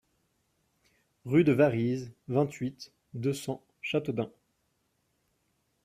Rue de Varize, vingt-huit, deux cents Châteaudun